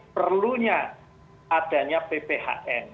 perlunya adanya pbhn